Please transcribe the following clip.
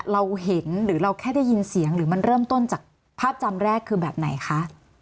เราเห็นหรือเราแค่ได้ยินเสียงหรือมันเริ่มต้นจากภาพจำแรกคือแบบไหนคะ